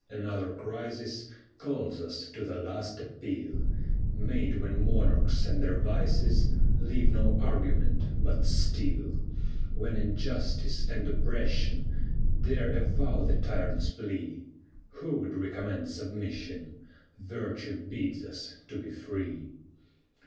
another crisis Calls us to "the last appeal," Made when monarchs and their vices Leave no argument but steel. When injustice and oppression Dare avow the tyrant's plea. Who would recommend submission? Virtue bids us to be free.